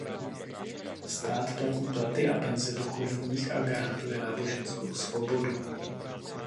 Stát platí platy a penze duchovních a garantuje náboženskou svobodu.